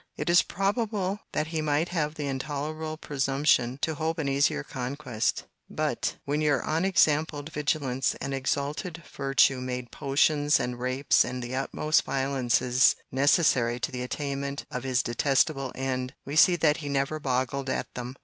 It is probable that he might have the intolerable presumption to hope an easier conquest: but, when your unexampled vigilance and exalted virtue made potions, and rapes, and the utmost violences, necessary to the attainment of his detestable end, we see that he never boggled at them.